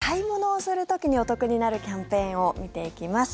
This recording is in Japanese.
ここからは買い物をする時にお得になるキャンペーンを見ていきます。